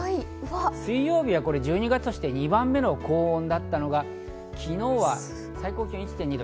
水曜日は１２月として２番目の高温だったのが昨日は最高気温１．２度。